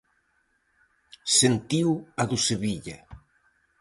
Sentiu a do Sevilla.